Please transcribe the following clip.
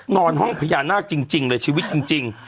นอนห้องพญานาคจริงเลยชีวิตจริง